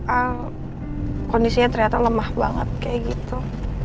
oh kondisinya ternyata lemah banget kayak gitu